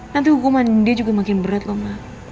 nanti hukuman dia juga makin berat lho ma